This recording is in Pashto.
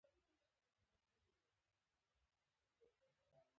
د بشریت تاریخ له خونړیو جګړو ډک دی.